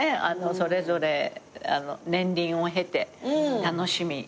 それぞれ年輪を経て楽しみっていうか。